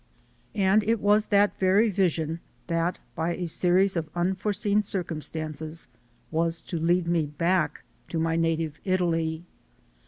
And it was that very vision that, by a series of unforeseen circumstances, was to lead me back to my native Italy.